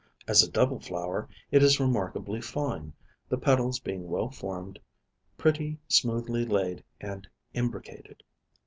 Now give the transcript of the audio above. As a double flower it is remarkably fine, the petals being well formed, pretty smoothly laid and imbricated."